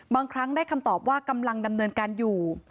บางครั้งได้คำตอบว่ากำลังดำเนินการอยู่